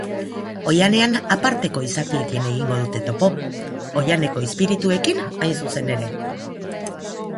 Oihanean aparteko izakiekin egingo dute topo, oihaneko izpirituekin, hain zuzen ere.